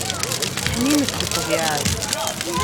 Ḥninet deg ṭṭbiɛa-s.